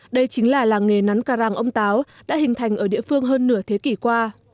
đây chính là làng nghề nắn carang ông táo đã hình thành ở địa phương hơn nửa thế kỷ qua